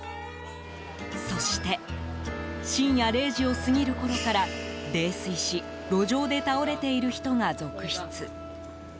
そして深夜０時を過ぎるころから泥酔し路上で倒れている人が続出。